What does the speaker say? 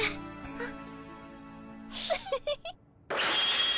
あっ。